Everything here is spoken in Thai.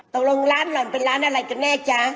ตกลงร้านหล่อนเป็นร้านอะไรกันแน่จ๊ะ